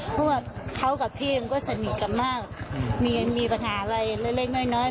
เพราะว่าเขากับพี่มันก็สนิทกันมากมีปัญหาอะไรเล็กน้อย